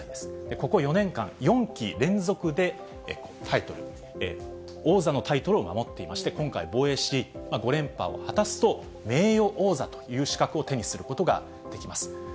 ここ４年間、４期連続でタイトル、王座のタイトルを守っていまして、今回防衛し、５連覇を果たすと、名誉王座という資格を手にすることができます。